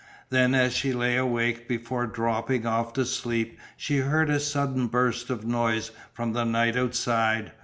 Then as she lay awake before dropping off to sleep she heard a sudden burst of noise from the night outside.